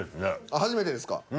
あっ初めてですか。